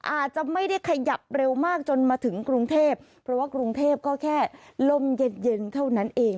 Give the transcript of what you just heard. อาจจะไม่ได้ขยับเร็วมากจนมาถึงกรุงเทพเพราะว่ากรุงเทพก็แค่ลมเย็นเย็นเท่านั้นเอง